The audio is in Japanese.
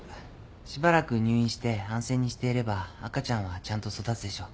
しばらく入院して安静にしていれば赤ちゃんはちゃんと育つでしょう。